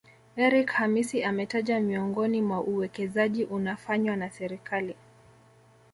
Eric Hamisi ametaja miongoni mwa uwekezaji unafanywa na Serikali